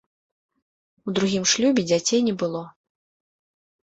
У другім шлюбе дзяцей не было.